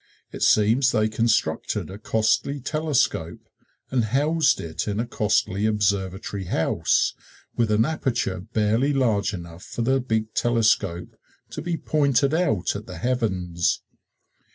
It seems they constructed a costly telescope and housed it in a costly observatory house, with an aperture barely large enough for the big telescope to be pointed out at the heavens.